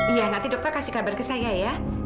iya nanti dokter kasih kabar ke saya ya